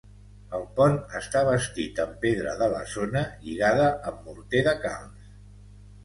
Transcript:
El pont està bastit amb pedra de la zona lligada amb morter de calç.